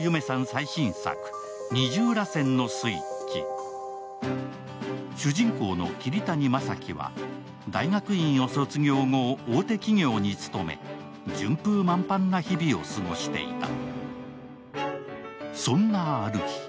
最新作「二重らせんのスイッチ」主人公の桐谷雅樹は、大学院を卒業後、大手企業に務め、順風満帆な日々を過ごしていた。